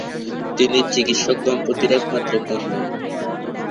তিনি চিকিৎসক দম্পতির একমাত্র কন্যা।